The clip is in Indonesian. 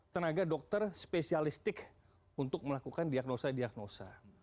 tenaga dokter spesialistik untuk melakukan diagnosa diagnosa